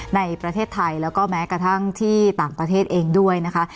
ในประเทศไทยแล้วก็แม้กระทั่งที่ต่างประเทศเองด้วยนะคะ